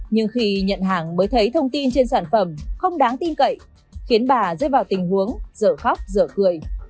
nhưng khi nhận hàng mới thấy thông tin trên sản phẩm không đáng tin cậy khiến bà rơi vào tình huống dở khóc dở cười